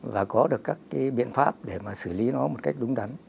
và có được các cái biện pháp để mà xử lý nó một cách đúng đắn